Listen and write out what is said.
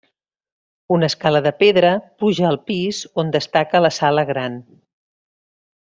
Una escala de pedra puja al pis on destaca la sala gran.